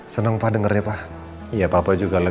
seneng pak dengernya pak